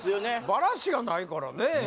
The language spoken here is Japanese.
バラしがないからね